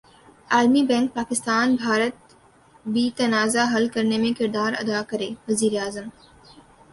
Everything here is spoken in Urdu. عالمی بینک پاکستان بھارت بی تنازعہ حل کرنے میں کردار ادا کرے وزیراعظم